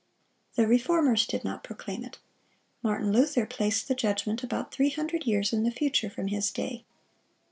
The Reformers did not proclaim it. Martin Luther placed the judgment about three hundred years in the future from his day.